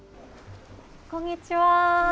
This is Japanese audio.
こんにちは。